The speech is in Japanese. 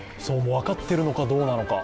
分かってるのかどうなのか。